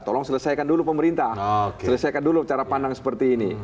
tolong selesaikan dulu pemerintah selesaikan dulu cara pandang seperti ini